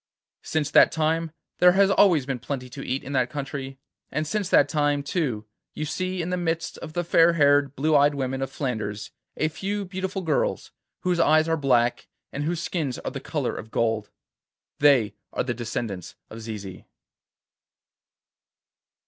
Since that time there has always been plenty to eat in that country, and since that time, too, you see in the midst of the fair haired blue eyed women of Flanders a few beautiful girls, whose eyes are black and whose skins are the colour of gold. They are the descendants of Zizi.